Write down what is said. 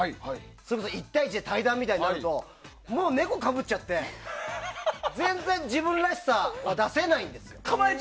それこそ１対１で対談となるともう猫をかぶっちゃって全然、自分らしさを出せないんですよ。